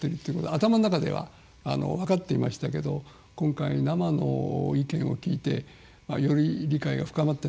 頭の中では分かっていましたけど今回生の意見を聞いてより理解が深まったような気がします。